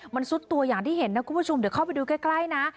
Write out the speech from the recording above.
มันซุดตัวอย่างที่เห็นนะคุณผู้ชมเดี๋ยวเข้าไปดูใกล้นะ